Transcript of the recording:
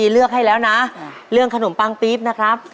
เรื่องขนมปังปี๊บนะครับ